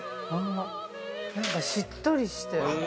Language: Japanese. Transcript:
◆何かしっとりしてる。